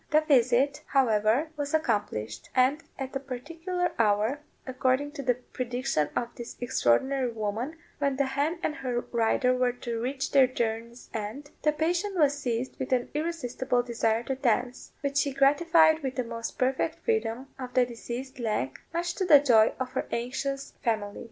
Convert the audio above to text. The visit, however, was accomplished; and at a particular hour, according to the prediction of this extraordinary woman, when the hen and her rider were to reach their journey's end, the patient was seized with an irresistible desire to dance, which she gratified with the most perfect freedom of the diseased leg, much to the joy of her anxious family.